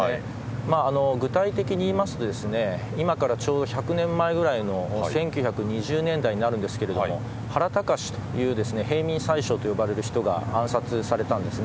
具体的に言いますと今からちょうど１００年前ぐらいの１９２０年代になるんですが原敬という平民宰相と呼ばれる人が暗殺されたんです。